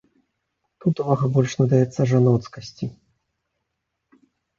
Тут увага больш надаецца жаноцкасці.